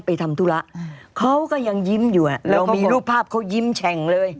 ทำธุระเขาก็ยังยิ้มอยู่อ่ะเรามีรูปภาพเขายิ้มแฉ่งเลย